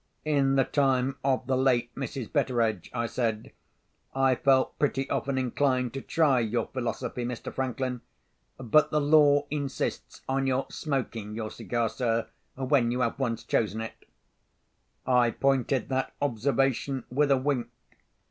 "In the time of the late Mrs. Betteredge," I said, "I felt pretty often inclined to try your philosophy, Mr. Franklin. But the law insists on your smoking your cigar, sir, when you have once chosen it." I pointed that observation with a wink.